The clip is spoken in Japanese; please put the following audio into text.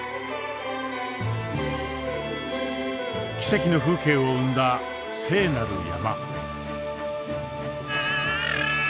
奇跡の風景を生んだ聖なる山。